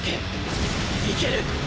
いける！